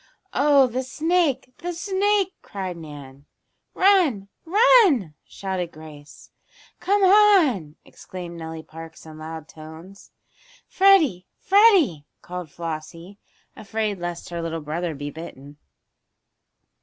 "Oh, the snake! The snake!" cried Nan. "Run! Run!" shouted Grace. "Come on!" exclaimed Nellie Parks, in loud tones. "Freddie! Freddie!" called Flossie, afraid lest her little brother be bitten.